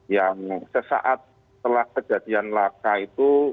yang sesaat setelah kejadian laka itu